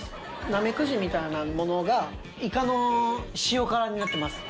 ナメクジみたいなものがイカの塩辛になってます。